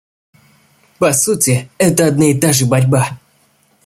По сути, это одна и та же борьба.